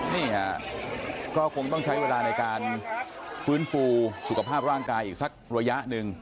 นี่ฮะก็คงต้องใช้เวลาในการฟื้นฟูสุขภาพร่างกายอีกสักระยะหนึ่ง